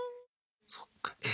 そっか。